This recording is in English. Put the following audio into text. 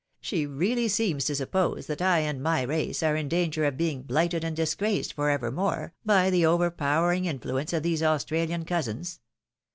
She really seems to suppose that I and my race are in danger of being blighted and disgraced for evermore, by the overpowering influence of these Australian cousins.